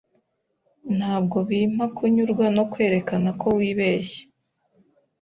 Ntabwo bimpa kunyurwa no kwerekana ko wibeshye.